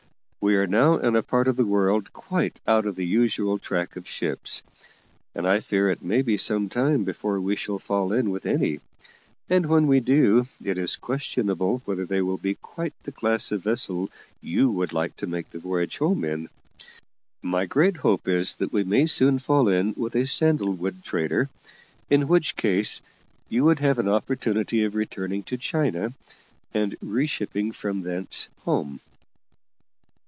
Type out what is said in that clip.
We are now in a part of the world quite out of the usual track of ships, and I fear it may be some time before we shall fall in with any, and when we do, it is questionable whether they will be quite the class of vessel you would like to make the voyage home in. My great hope is that we may soon fall in with a sandalwood trader, in which case you would have an opportunity of returning to China, and re shipping from thence home."